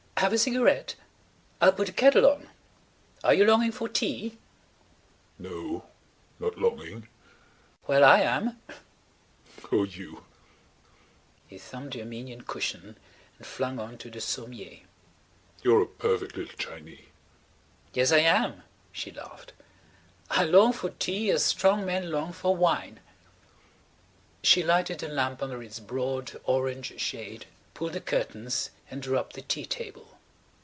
"Have a cigarette? I'll put the kettle on. Are you longing for tea?" "No. Not longing." "Well, I am." "Oh, you." He thumped the Armenian cushion and flung on to the sommier. "You're a perfect little Chinee." "Yes, I am," she laughed. "I long for tea as strong men long for wine." She lighted the lamp under its broad orange shade, pulled the curtains, and drew up the tea table.